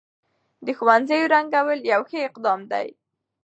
د ښوونځيو رنګول يو ښه اقدام دی.